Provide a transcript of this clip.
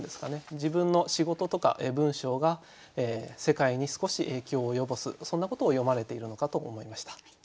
自分の仕事とか文章が世界に少し影響を及ぼすそんなことを詠まれているのかと思いました。